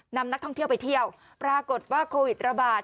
นำนักท่องเที่ยวไปเที่ยวปรากฏว่าโควิดระบาด